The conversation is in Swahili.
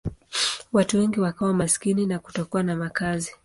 Watu wengi wakawa maskini na kutokuwa na makazi.